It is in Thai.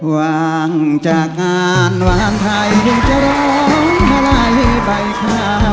วางจากงานวางไทยยังจะร้องมาลายให้ใบข่าว